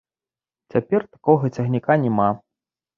Цяпер такога цягніка няма.